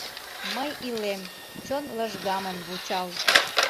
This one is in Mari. Мый илем, чон лыжгамым вучал.